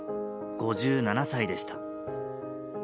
５７歳でした。